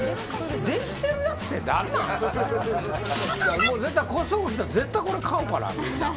できてるやつって何なん？もうコストコ来たら絶対これ買うからみんな。